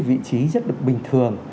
một vị trí rất bình thường